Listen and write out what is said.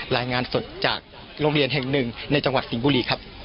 รายงานสดจากโรงเรียนแห่งหนึ่งในจังหวัดสิงห์บุรีครับ